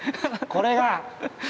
これが。